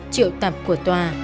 triệu tập của tòa